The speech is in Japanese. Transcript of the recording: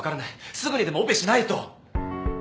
すぐにでもオペしないと。